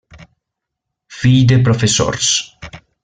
Fill de professors.